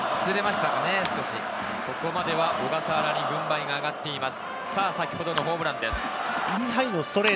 ここまでは小笠原に軍配が上がっています。